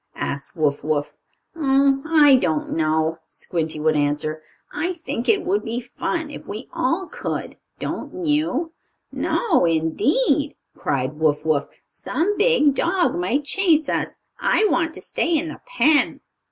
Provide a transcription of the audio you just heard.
asked Wuff Wuff. "Oh, I don't know," Squinty would answer. "I think it would be fun if we all could; don't you?" "No, indeed!" cried Wuff Wuff. "Some big dog might chase us. I want to stay in the pen."